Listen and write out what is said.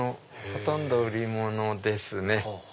ほとんど売り物ですね。